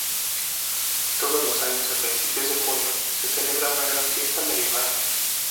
Todos los años a principios de junio se celebra una gran fiesta medieval.